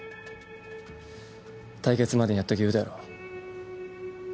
対決までにやっとけ言うたやろ？